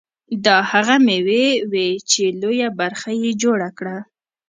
دا هغه مېوې وې چې لویه برخه یې جوړه کړه.